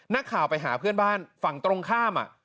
นักข่าวไปหาเพื่อนบ้านฝั่งตรงข้าม